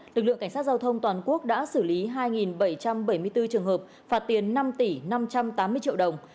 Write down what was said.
lực lượng cảnh sát giao thông toàn quốc đã xử lý hai bảy trăm bảy mươi bốn trường hợp phạt tiền năm tỷ năm trăm tám mươi triệu đồng